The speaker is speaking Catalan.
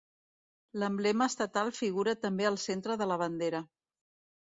L'emblema estatal figura també al centre de la bandera.